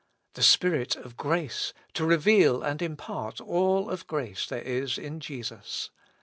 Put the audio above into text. The Spirit of grace, to reveal and impart all of grace there is in Jesus.